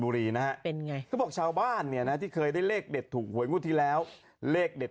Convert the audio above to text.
บุรีนะเอ่นไงบอกชาวบ้านเนี่ยนะที่เคยได้เลขเดทถูกหวยมุดที่แล้วเลขเดท